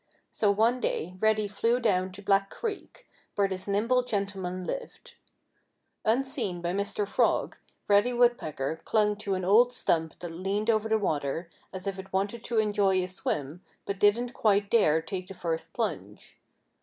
So one day Reddy flew down to Black Creek, where this nimble gentleman lived. Unseen by Mr. Frog, Reddy Woodpecker clung to an old stump that leaned over the water, as if it wanted to enjoy a swim but didn't quite dare take the first plunge.